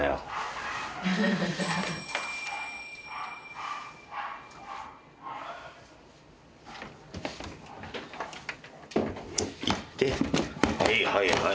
はいはいはい。